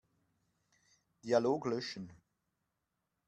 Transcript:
Dialog löschen.